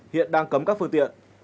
hiện đang cấm các phương tiện